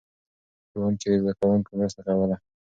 ښوونکي د زده کوونکو مرسته کوله.